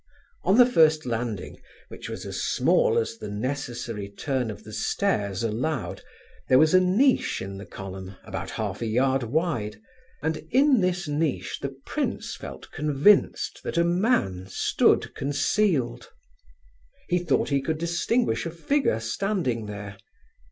On the first landing, which was as small as the necessary turn of the stairs allowed, there was a niche in the column, about half a yard wide, and in this niche the prince felt convinced that a man stood concealed. He thought he could distinguish a figure standing there.